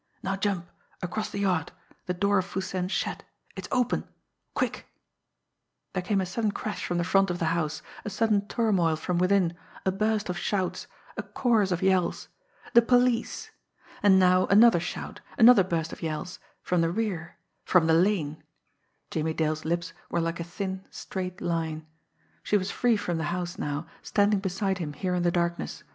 "Now jump across the yard the door of Foo Sen's shed it's open quick " There came a sudden crash from the front of the house, a sudden turmoil from within, a burst of shouts, a chorus of yells. The police! And now another shout, another burst of yells from the rear from the lane! Jimmie Dale's lips were like a thin, straight line. She was free from the house now, standing beside him here in the darkness.